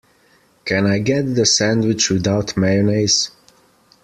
Can I get the sandwich without mayonnaise?